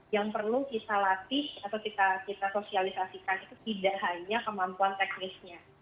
yang perlu kita latih atau kita sosialisasikan itu tidak hanya kemampuan teknisnya